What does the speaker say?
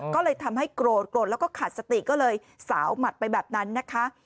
ก็เลยทำให้โกรธโกรธแล้วก็ขาดสติก็เลยสาวหมัดไปแบบนั้นนะคะ